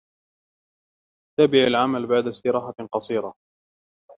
تابع العمل بعد استراحة قصيرة.